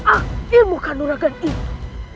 akimu kanuragan itu